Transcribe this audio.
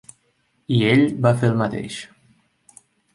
I ell va fer el mateix.